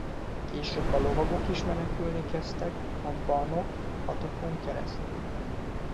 Később a lovagok is menekülni kezdtek a Bannock-patakon keresztül.